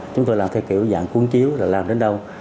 chúng tôi làm theo kiểu dạng cuốn chiếu rồi làm đến đâu